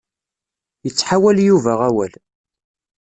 Ittḥawal Yuba awal.